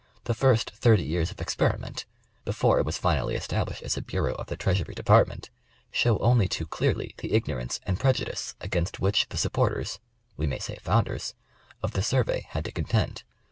The first thirty years of experiment, before it was finally established as a bureau of the Treasury Department, show only too clearly the ignorance and prejudice against which the supporters — we may say founders — of the survey had to con tend.